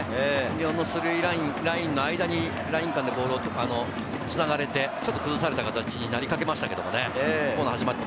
日本の３ラインの間、ライン間でつながれてちょっと崩された形になりかけましたからね。